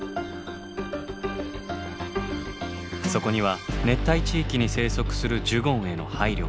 そこには熱帯地域に生息するジュゴンへの配慮が。